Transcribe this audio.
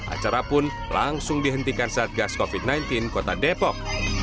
acara pun langsung dihentikan saat gas covid sembilan belas kota depok